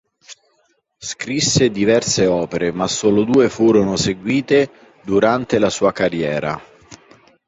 Scrisse diverse opere, ma solo due furono eseguite durante la sua carriera.